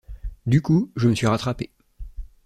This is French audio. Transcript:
Du coup, je me suis rattrapé.